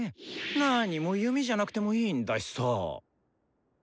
なにも弓じゃなくてもいいんだしさ。